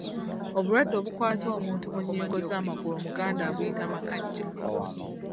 Obulwadde obukwata omuntu mu nnyingo z’amagulu omuganda abuyita makajja.